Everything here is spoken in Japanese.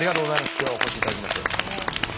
今日はお越しいただきまして。